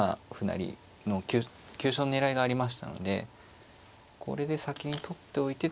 成の急所の狙いがありましたのでこれで先に取っておいてということですね。